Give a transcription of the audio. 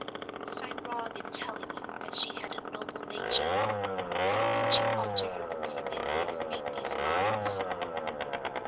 Was I wrong in telling you that she had a noble nature? And won't you alter your opinion when you read these lines?